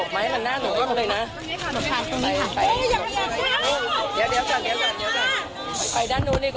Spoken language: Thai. หน้านี่นี่นี่